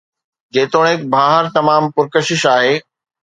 جيتوڻيڪ بهار تمام پرڪشش آهي